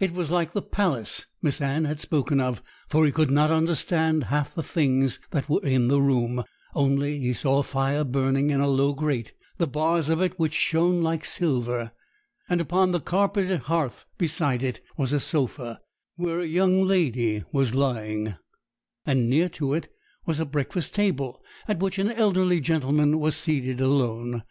It was like the palace Miss Anne had spoken of, for he could not understand half the things that were in the room; only he saw a fire burning in a low grate, the bars of which shone like silver, and upon the carpeted hearth beside it was a sofa, where a young lady was lying, and near to it was a breakfast table, at which an elderly gentleman was seated alone.